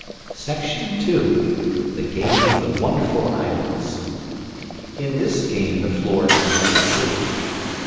Section II THE GAME OF THE WONDERFUL ISLANDS In this game the floor is the sea.